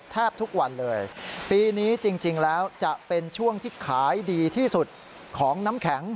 แทบทุกวันเลยปีนี้จริงแล้วจะเป็นช่วงที่ขายดีที่สุดของน้ำแข็ง